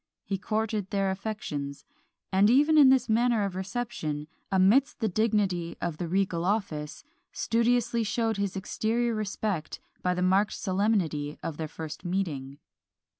He courted their affections; and even in this manner of reception, amidst the dignity of the regal office, studiously showed his exterior respect by the marked solemnity of their first meeting.